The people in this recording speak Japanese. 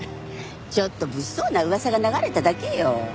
ちょっと物騒な噂が流れただけよ。